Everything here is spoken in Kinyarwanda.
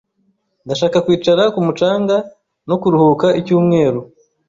Ndashaka kwicara ku mucanga no kuruhuka icyumweru.